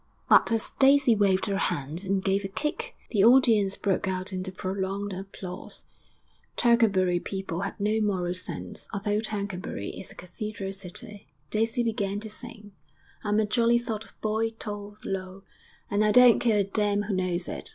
But as Daisy waved her hand and gave a kick, the audience broke out into prolonged applause; Tercanbury people have no moral sense, although Tercanbury is a cathedral city. Daisy began to sing, I'm a jolly sort of boy, tol, lol, _And I don't care a damn who knows it.